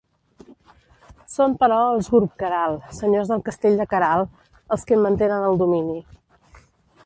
Són però els Gurb-Queralt, senyors del castell de Queralt, els qui en mantenen el domini.